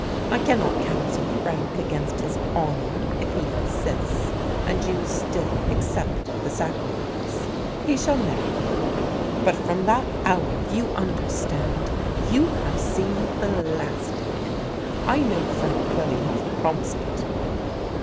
I cannot counsel Frank against his honour; if he insists, and you still accept the sacrifice, he shall marry you. But from that hour you understand? you have seen the last of him. I know Frank well enough to promise it."